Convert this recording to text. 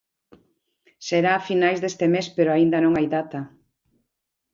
Será a finais deste mes, pero aínda non hai data.